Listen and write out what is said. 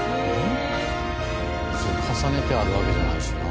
別に重ねてあるわけじゃないしな。